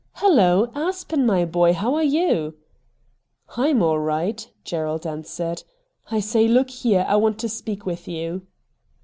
' Hullo I Aspen, my boy, how are you ?'' I'm all right,' Gerald answered. ' I say, look here — I want to speak with you.'